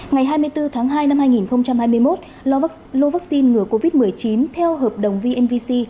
ngày hai mươi bốn tháng hai năm hai nghìn hai mươi một lovac ngừa covid một mươi chín theo hợp đồng vnvc